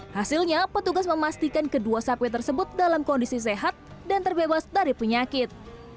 hasilnya petugas memastikan kedua sapi tersebut dalam kondisi sehat dan terbebas dari penyakit